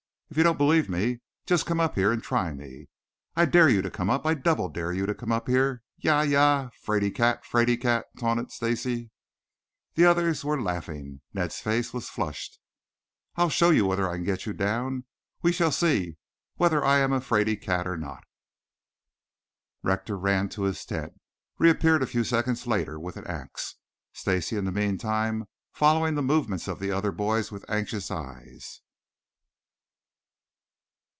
If you don't believe me just come up here and try me. I dare you to come up! I double dare you to come up here. Ya, ya, ya! 'Fraid cat, 'fraid cat!" taunted Stacy. The others were laughing. Ned's face was flushed. "I'll show you whether I can get you down. We shall see whether I am a 'fraid cat or not." Rector ran to his tent, reappearing at few seconds later with an axe, Stacy in the meantime following the movements of the other boy with anxious eyes.